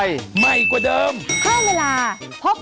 รอกระทงนะคะ